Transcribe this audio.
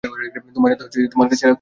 তোমার জাদু তোমার কাছে রাখো।